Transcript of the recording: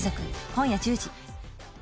今夜１０時。